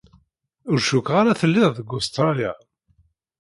Ur cukkeɣ ara telliḍ deg Ustṛalya.